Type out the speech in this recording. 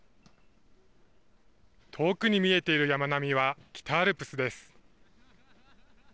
遠くに見えている山並みは北アルプスです。